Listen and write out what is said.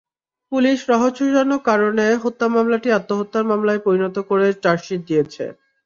Police রহস্যজনক কারণে হত্যা মামলাটি আত্মহত্যার মামলায় পরিণত করে চার্জশিট দিয়েছে।